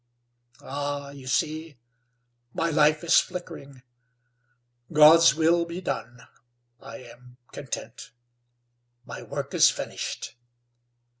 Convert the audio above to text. Ah! you see! My life is flickering. God's will be done. I am content. My work is finished.